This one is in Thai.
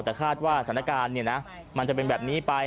แต่คาดว่าสถานการณ์มันจะเป็นแบบนี้ไป